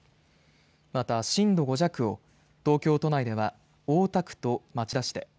また震度５弱を東京都内では大田区と町田市で、